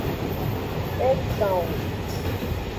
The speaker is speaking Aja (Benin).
E kan wo.